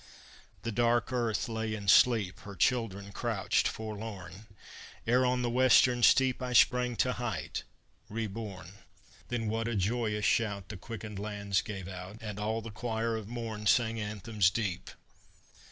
"The dark Earth lay in sleep. Her children crouched forlorn, Ere on the western steep I sprang to height, reborn: Then what a joyous shout The quickened lands gave out, And all the choir of morn Sang anthems deep.